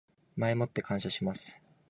前もって感謝します